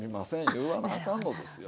言わなあかんのですよ。